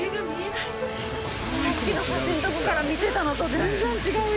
さっきの橋のところから見てたのと全然違うよ。